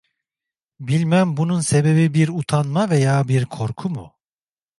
Bilmem bunun sebebi bir utanma veya bir korku mu?